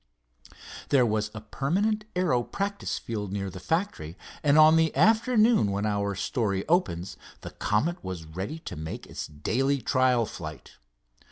There was a permanent aero practice field near the factory, and on the afternoon when our story opens the Comet was ready to make its daily trial flight.